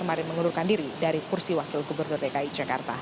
kemarin mengundurkan diri dari kursi wakil gubernur dki jakarta